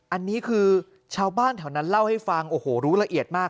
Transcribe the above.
อันนี้คือชาวบ้านแถวนั้นเล่าให้ฟังโอ้โหรู้ละเอียดมาก